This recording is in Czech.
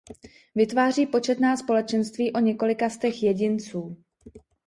Vytváří početná společenství o několika stech jedinců.